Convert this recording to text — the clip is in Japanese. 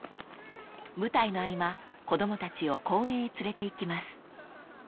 ［舞台の合間子供たちを公園へ連れていきます］